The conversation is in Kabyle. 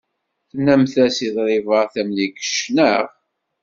Tennamt-as i Ḍrifa Tamlikect, naɣ?